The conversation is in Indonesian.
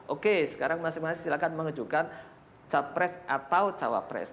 oke sekarang masing masing silahkan mengajukan capres atau cawapres